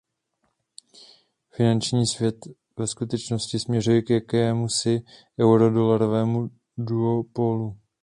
Finanční svět ve skutečnosti směřuje k jakémusi euro-dolarovému duopolu.